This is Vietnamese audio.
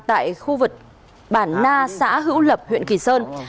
tại khu vực bản na xã hữu lập huyện kỳ sơn